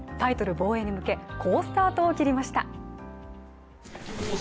防衛に向け、好スタートを切りました。